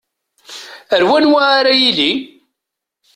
Ar wanwa ara yili?